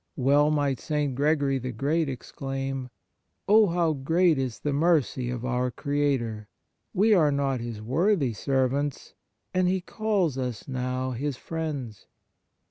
Well might St. Gregory the Great ex claim: " Oh, how great is the mercy of our Creator 1 we are not His worthy servants and He calls us now His friends."